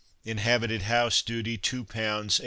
inhabited house duty, 2 pounds 18s.